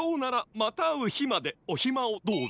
またあうひまでおひまをどうぞ。